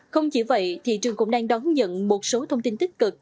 không chỉ vậy thị trường cũng đang đón nhận một số thông tin tích cực